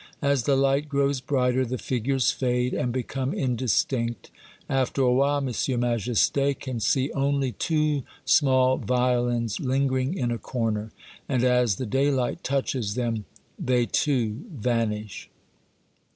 As the light grows brighter, the figures fade, and become indistinct. After a while, M. Majesty can see only two small violins lingering in a corner, and as the daylight touches them, they, too, vanish.